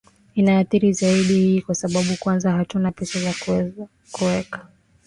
inathirika zaidi na hii kwa sababu kwanza hatuna pesa za kuweza kuwaa